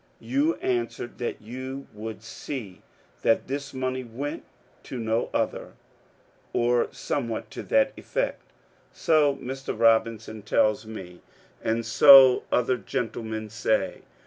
You answered that you would see that this money went to no other ; or somewhat to that effect So Mr. Robinson tells me, and so other gentlemen say.